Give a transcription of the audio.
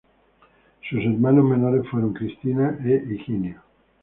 Sus hermanos menores fueron Cristina e Higinio.